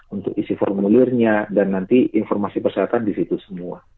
untuk isi formulirnya dan nanti informasi persyaratan di situ semua